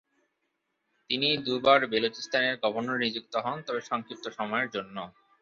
তিনি দু'বার বেলুচিস্তানের গভর্নর নিযুক্ত হন তবে সংক্ষিপ্ত সময়ের জন্য।